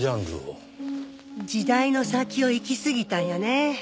時代の先を行きすぎたんやね。